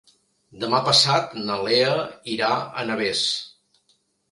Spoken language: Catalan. Demà passat na Lea irà a Navès.